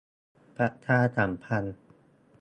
ประชาสัมพันธ์